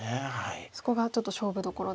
そこがちょっと勝負どころでしたか。